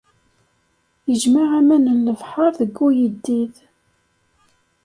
Ijmeɛ aman n lebḥer deg uyeddid.